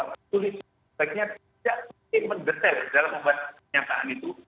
sebanyaknya tidak terdekat dalam membuat penyataan itu